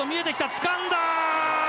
つかんだ！